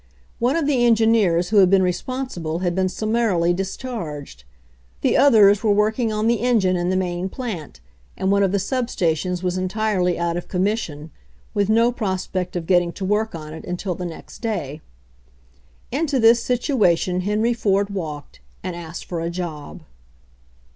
One of the engineers who had been responsible had been summarily dis charged; the others were working on the engine in the main plant, and one of the sub stations was entirely out of commission, with no prospect of getting to work on it until the next day. Into this situation Henry Ford walked, and asked for a job.